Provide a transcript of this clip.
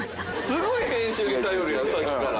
すごい編集に頼るやんさっきから。